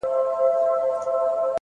هوښیار انسان د احساساتو لار سموي.